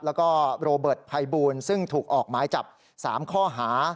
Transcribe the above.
แล้วก็โรเบิร์ตภัยบูลซึ่งถูกออกหมายจับ๓ข้อหา